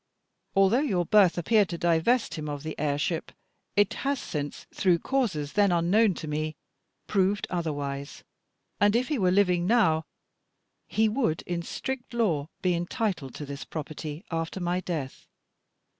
Although your birth appeared to divest him of the heirship, it has since, through causes then unknown to me, proved otherwise; and if he were living now, he would in strict law be entitled to this property after my death.